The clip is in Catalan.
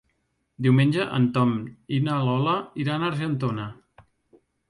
Diumenge en Tom i na Lola iran a Argentona.